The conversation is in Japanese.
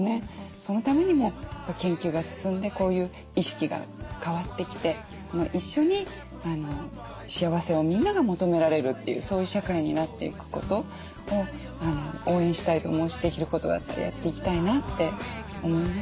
そのためにも研究が進んでこういう意識が変わってきて一緒に幸せをみんなが求められるというそういう社会になっていくことを応援したいと思うしできることがあったらやっていきたいなって思いますね。